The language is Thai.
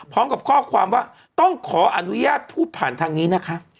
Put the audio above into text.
พร้อมกับข้อความว่าต้องขออนุญาตพูดผ่านทางนี้นะคะ